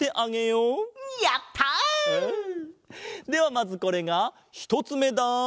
まずこれがひとつめだ。